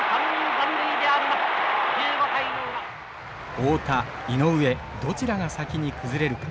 太田井上どちらが先に崩れるか。